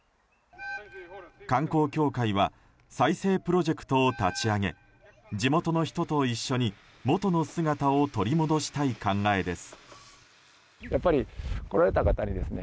観光協会は再生プロジェクトを立ち上げ地元の人と一緒に元の姿を取り戻したい考えです。